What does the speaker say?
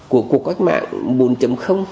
của cuộc cách mạng bốn